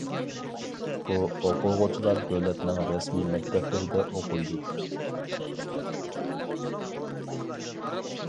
بۇ ئوقۇغۇچىلار دۆلەتنىڭ رەسمىي مەكتەپلىرىدە ئوقۇيدۇ.